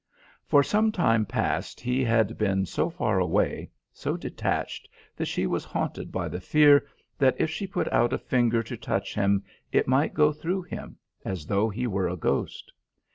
For some time past he had been so far away, so detached that she was haunted by the fear that if she put out a finger to touch him it might go through him, as though he were a ghost.